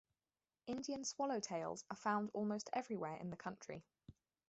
Indian swallowtails are found almost everywhere in the country.